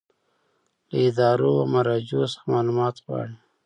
له ادارو او مراجعو څخه معلومات غواړي.